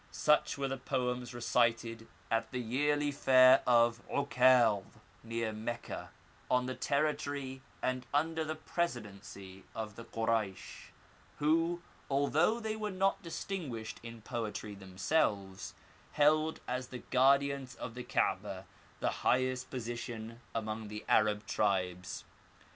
Such were the poems recited at the yearly fair of *Okaz, near Mecca, on the territory and under the presidency of the Koraysh, who, although they were not distinguished in poetry themselves, held as the guardians of the Ka*beh the highest position among the Arab tribes.